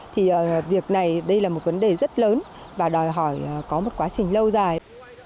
thì việc này đây là một vấn đề rất lớn và đòi hỏi có một quá trình lâu dài